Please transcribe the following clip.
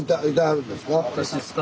私ですか？